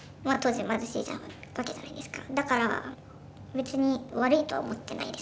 だから別に悪いとは思ってないですね。